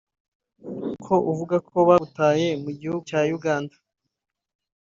Ko uvuga ko bagutaye mu gihugu cya Uganda